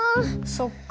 そっか。